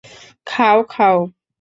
খাও, খাও।